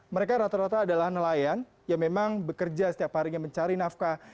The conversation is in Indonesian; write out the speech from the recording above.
mereka rata rata adalah nelayan yang memang bekerja setiap harinya mencari nafkah